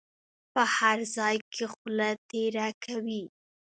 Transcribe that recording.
په هر ځای کې خوله تېره کوي.